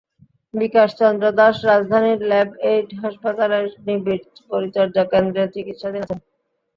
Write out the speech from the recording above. বিকাশ চন্দ্র দাস রাজধানীর Labaid হাসপাতালের নিবিড় পরিচর্যা কেন্দ্রে চিকিৎসাধীন আছেন।